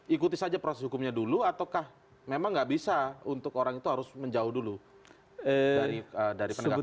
ikuti saja proses hukumnya dulu ataukah memang nggak bisa untuk orang itu harus menjauh dulu dari penegak hukum